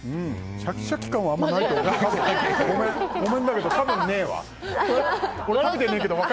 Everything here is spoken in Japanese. シャキシャキ感はあんまりないと思う。